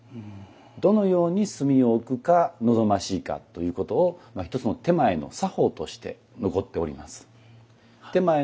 どのように炭を置くか望ましいかということを一つの点前の作法として残っております。